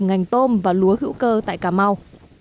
ngành tôm và lúa hữu cơ tại cà mau